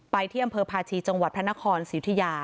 ที่อำเภอพาชีจังหวัดพระนครสิวทิยา